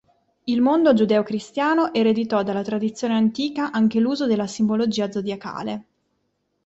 Il mondo giudeo-cristiano ereditò dalla tradizione antica anche l'uso della simbologia zodiacale.